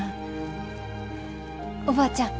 おばあちゃん。